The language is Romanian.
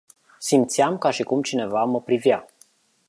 Simteam ca si cum cineva ma privea.